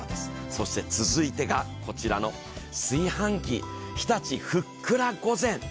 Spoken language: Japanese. そして続いてがこちらの炊飯器、日立ふっくら御膳。